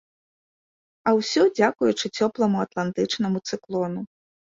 А ўсё дзякуючы цёпламу атлантычнаму цыклону.